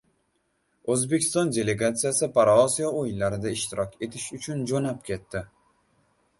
O‘zbekiston delegatsiyasi Paraosiyo o‘yinlarida ishtirok etish uchun jo‘nab ketdi